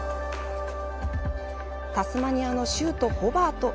タスマニアの州都、ホバート。